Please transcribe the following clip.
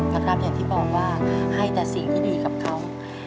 อย่างที่บอกว่าให้แต่สิ่งที่ดีกับเขา